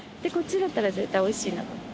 こっちだったら絶対おいしいなと。